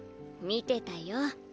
見てたよ。